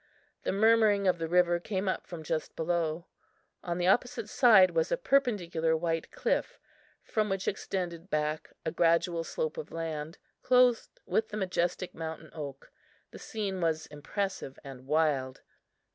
The murmuring of the river came up from just below. On the opposite side was a perpendicular white cliff, from which extended back a gradual slope of land, clothed with the majestic mountain oak. The scene was impressive and wild.